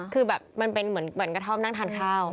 คือแบบมันเป็นเหมือนกระท่อมนั่งทานข้าว